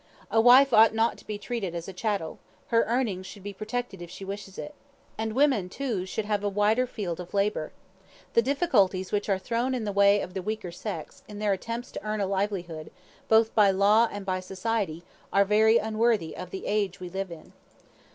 A wife ought not to be treated as a chattel; her earnings should be protected if she wishes it. And women, too, should have a wider field of labour. The difficulties which are thrown in the way of the weaker sex, in their attempts to earn a livelihood, both by law and by society, are very unworthy of the age we live in."